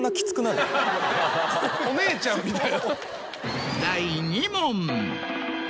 お姉ちゃんみたい。